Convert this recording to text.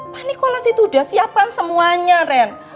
pak nikolas itu udah siapkan semuanya ren